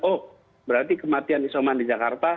oh berarti kematian isoman di jakarta